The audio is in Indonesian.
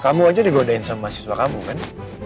kamu aja digodain sama siswa kamu kan